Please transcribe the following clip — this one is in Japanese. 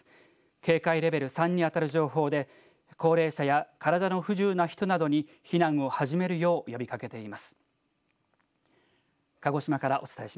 警戒レベル３に当たる情報で高齢者や体の不自由な人などに避難を始めるよう呼びかけています。